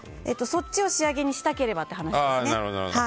そっちを仕上げにしたければという話ですね。